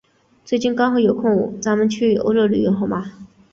刚好最近有空，咱们去欧洲旅游好吗？